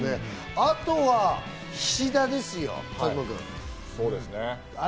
あとは菱田ですよ。